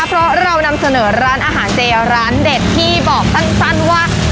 เพราะเรานำเสนอร้านอาหารเจร้านเด็ดที่บอกสั้นว่า